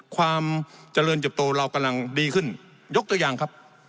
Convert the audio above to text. ความเจริญเติบโตเรากำลังดีขึ้นยกตัวอย่างครับ